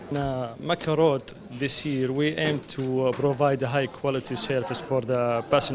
di mekarut kami ingin memberikan servis kualitas yang tinggi untuk pesawat